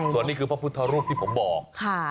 ส่วนนี้คือพระพุทธรูปที่ผมบอก